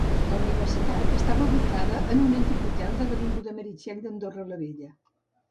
La universitat estava ubicada en un antic hotel de l'avinguda Meritxell d'Andorra la Vella.